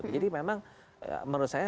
jadi memang menurut saya